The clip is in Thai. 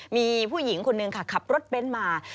มีผู้หญิงคนหนึ่งค่ะขับรถเบ้นมา